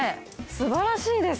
すばらしいです。